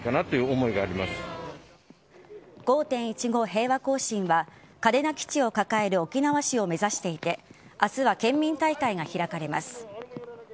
平和行進は嘉手納基地を抱える沖縄市を目指していて明日は県民大会が開かれます。